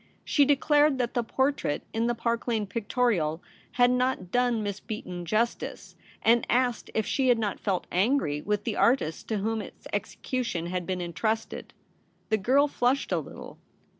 She declared that the portrait in the Pa7^k Lane Pictorial h^id not done Miss Beaton justice, and asked if she had not fell: angry with the artist to w^hom its execution had been entrusted. The girl flushed a little.